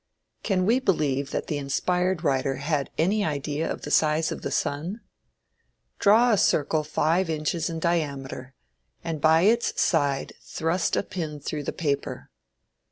Can we believe that the inspired writer had any idea of the size of the sun? Draw a circle five inches in diameter, and by its side thrust a pin through the paper.